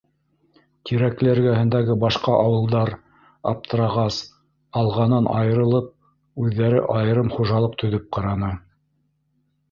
Тирәкле эргәһендәге башҡа ауылдар, аптырағас, «Алға»нан айырылып, үҙҙәре айырым хужалыҡ төҙөп ҡараны.